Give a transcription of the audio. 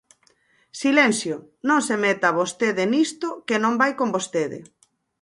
Silencio, non se meta vostede nisto, que non vai con vostede.